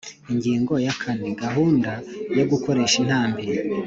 Ingingo ya kane Gahunda yo gukoresha intambi